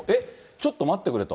ちょっと待ってくれと。